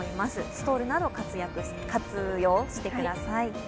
ストールなど、活用してください。